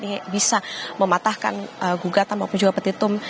ini bisa mematahkan gugatan maupun juga petitum